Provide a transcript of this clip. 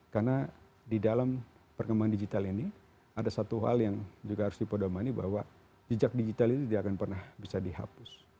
karena di dalam perkembangan digital ini ada satu hal yang juga harus dipodamani bahwa jejak digital ini tidak akan pernah bisa dihapus